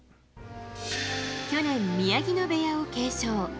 去年、宮城野部屋を継承。